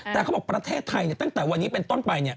แต่เขาบอกประเทศไทยตั้งแต่วันนี้เป็นต้นไป